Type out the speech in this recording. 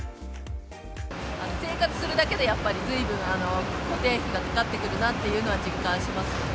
生活するだけでやっぱり、ずいぶん固定費がかかってくるなっていうのは実感しますよね。